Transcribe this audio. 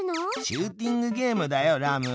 シューティングゲームだよラム。